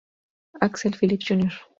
Alex Phillips Jr.